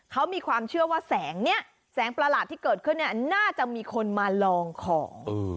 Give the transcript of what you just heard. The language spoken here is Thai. เขามีความเชื่อว่าแสงเนี่ยแสงประหลาดที่เกิดขึ้นเนี่ยน่าจะมีคนมาลองของ